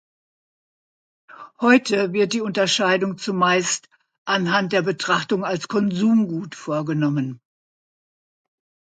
Heute wird die Unterscheidung zumeist anhand der Betrachtung als Konsumgut vorgenommen.